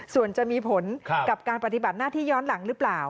ส่วนจะมีผลกับการปฏิบัติหน้าที่ย้อนหลังหรือเปล่า